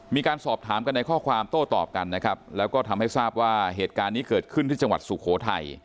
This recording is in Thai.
มีการสอบถามกันในข้อความโต้ตอบกันนะครับแล้วก็ทำให้ทราบว่าเหตุการณ์นี้เกิดขึ้นที่จังหวัดสุโขทัย